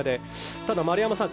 ただ、丸山さん。